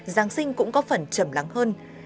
giáng sinh cũng có phần trầm lắng hơn